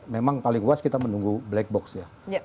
memang paling luas kita menunggu black box ya